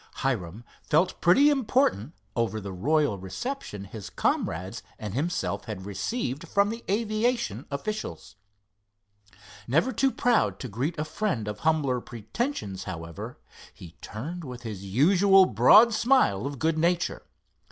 Hiram felt pretty important over the royal reception his comrades and himself had received from the aviation officials. Never too proud to greet a friend of humbler pretensions, however, he turned with his usual broad smile of good nature.